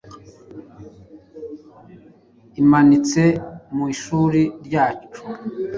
imanitse mu ishuri ryacu.